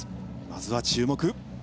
まずは注目。